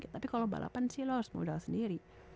tapi kalau balapan sih lo harus modal sendiri